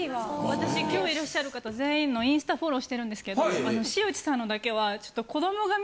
私今日いらっしゃる方全員のインスタフォローしてるんですけど塩地さんのだけは。